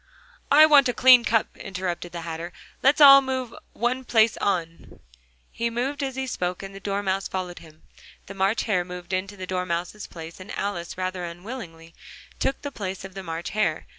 "I want a clean cup," interrupted the Hatter, "let's all move one place on." He moved as he spoke, and the Dormouse followed him: the March Hare moved into the Dormouse's place, and Alice, rather unwillingly, took the place of the March Hare.